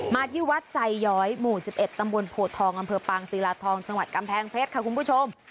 มาที่วัดไซย้อยหมู่๑๑ตำบลโพทองอำเภอปางศิลาทองจังหวัดกำแพงเพชรค่ะคุณผู้ชม